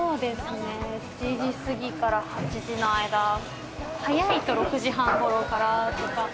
７時過ぎから８時の間、早いと６時半頃からとか。